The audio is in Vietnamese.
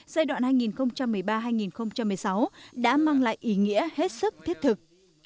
giai đoạn hai nghìn một mươi ba hai nghìn một mươi sáu đã mang lại ý nghĩa hết sức thiết thực